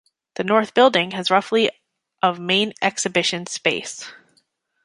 The North Building has roughly of main exhibition space.